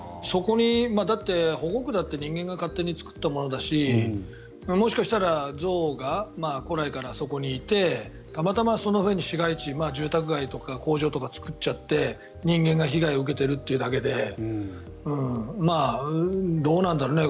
だって保護区だって人間が勝手に作ったものだしもしかしたら象が古来からそこにいてたまたまその辺に市街地住宅とか工場を作っちゃって人間が被害を受けているというだけであってどうなんだろうね。